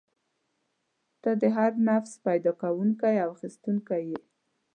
ته د هر نفس پیدا کوونکی او اخیستونکی یې.